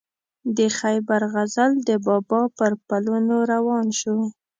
د خیبر غزل د بابا پر پلونو روان شو.